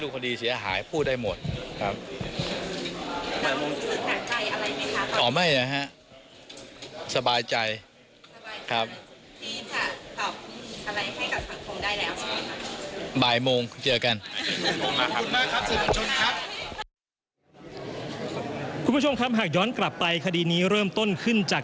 คุณผู้ชมครับหากย้อนกลับไปคดีนี้เริ่มต้นขึ้นจาก